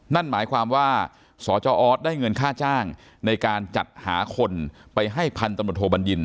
นั่นหมายความว่าสจออสได้เงินค่าจ้างในการจัดหาคนไปให้พันตำรวจโทบัญญิน